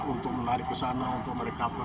untuk menarik ke sana untuk merecover